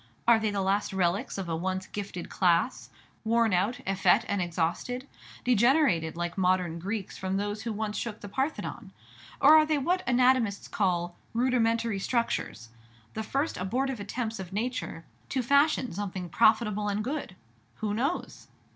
Are they the last relics of a once gifted class, worn out, effete, and exhausted, degenerated like modern Greeks from those who once shook the Parthenon? Or are they what anatomists call "rudimentary structures," the first abortive attempts of nature to fashion something profitable and good? Who knows?